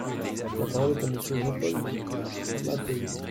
La parole est à Monsieur Jean-Paul Mattei.